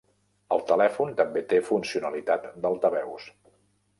El telèfon també té funcionalitat d'altaveus.